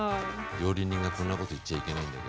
料理人がこんなこと言っちゃいけないんだけど。